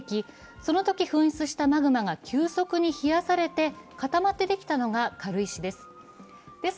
そのとき噴出したマグマが急速に冷やされて固まってできたのが軽石です。